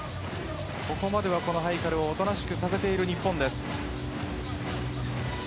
ここまではハイカルを大人しくさせている日本です。